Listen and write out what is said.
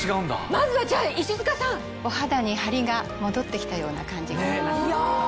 まずはじゃあ石塚さん。お肌にハリが戻ってきたような感じがします。